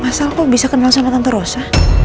masa aku bisa kenal sama tante rosa